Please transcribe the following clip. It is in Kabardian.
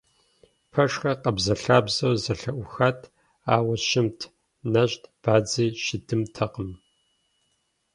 Пэшхэр къабзэлъабзэу зэлъыӀухат, ауэ щымт, нэщӀт, бадзи щыдымтэкъым.